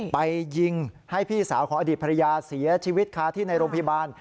ไปยิงให้พี่สาวของอดีตภรรยาเสียชีวิตคาที่ในโรงพยาบาล